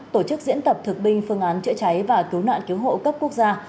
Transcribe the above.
tổ chức diễn tập thực binh phương án chữa cháy và cứu nạn cứu hộ cấp quốc gia